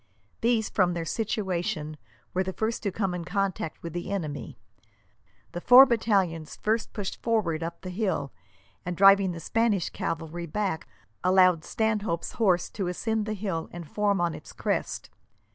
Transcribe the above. These, from their situation, were the first to come in contact with the enemy. The four battalions first pushed forward up the hill, and, driving the Spanish cavalry back, allowed Stanhope's horse to ascend the hill and form on its crest.